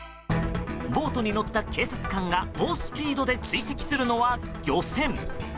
ボートに乗った警察官が猛スピードで追跡するのは漁船。